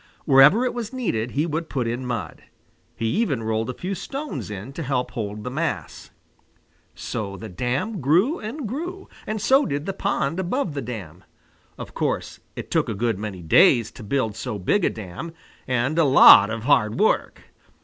Wherever it was needed, he would put in mud. He even rolled a few stones in to help hold the mass. So the dam grew and grew, and so did the pond above the dam. Of course, it took a good many days to build so big a dam, and a lot of hard work!